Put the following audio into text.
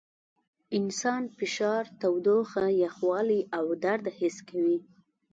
انسان فشار، تودوخه، یخوالي او درد حس کوي.